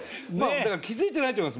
だから気付いてないと思います。